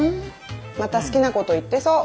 また好きなこと言ってそう。